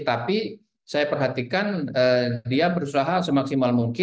tapi saya perhatikan dia berusaha semaksimal mungkin